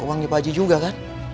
uangnya pakcik juga kan